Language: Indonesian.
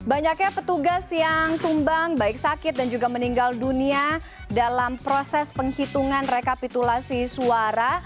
banyaknya petugas yang tumbang baik sakit dan juga meninggal dunia dalam proses penghitungan rekapitulasi suara